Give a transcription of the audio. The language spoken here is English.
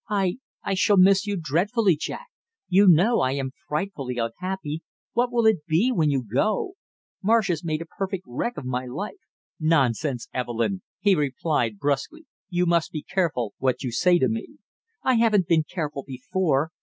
"I I shall miss you dreadfully, Jack! You know I am frightfully unhappy; what will it be when you go? Marsh has made a perfect wreck of my life!" "Nonsense, Evelyn!" he replied bruskly. "You must be careful what you say to me!" "I haven't been careful before!"